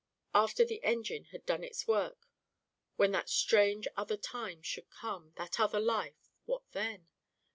After the engine had done its work, when that strange other time should come, that other life, what then?